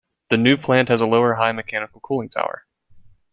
The new plant has a lower high mechanical cooling tower.